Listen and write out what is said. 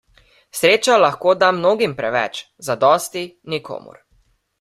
Sreča lahko da mnogim preveč, zadosti nikomur.